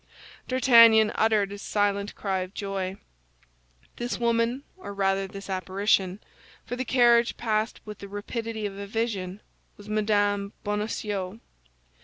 D'Artagnan uttered a slight cry of joy; this woman, or rather this apparition—for the carriage passed with the rapidity of a vision—was Mme. Bonacieux.